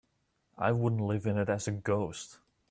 I wouldn't live in it as a ghost.